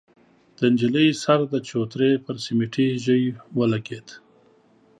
د نجلۍ سر د چوترې پر سميټي ژۍ ولګېد.